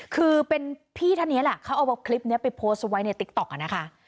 คือเป็นพี่ท่านนี้แหละเขาเอาคลิปนี้ไปโพสต์ไว้ในติ๊กต๊อกอะนะคะ